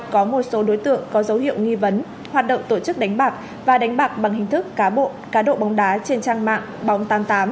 có một số đối tượng có dấu hiệu nghi vấn hoạt động tổ chức đánh bạc và đánh bạc bằng hình thức cá độ cá độ bóng đá trên trang mạng bóng tám mươi tám